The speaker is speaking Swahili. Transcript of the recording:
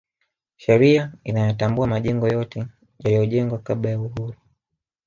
sheria inayatambua majengo yote yaliyojengwa kabla ya uhuru